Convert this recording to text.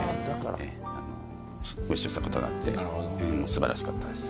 ご一緒したことがあって素晴らしかったです。